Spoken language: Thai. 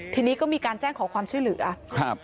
ทีนี้ก็มีการแจ้งขอความช่วยเหลือครับ